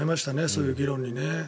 そういう議論にね。